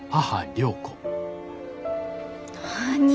何？